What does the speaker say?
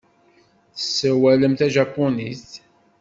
Tessawalem tajapunit.